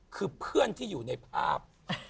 คือเพื่อนที่อยู่ในภาพ